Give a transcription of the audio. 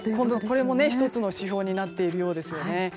これも１つの指標になっているようですよね。